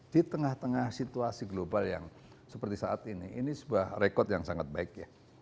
di tengah tengah situasi global yang seperti saat ini ini sebuah rekod yang sangat baik ya